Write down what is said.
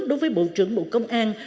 đối với bộ trưởng bộ công an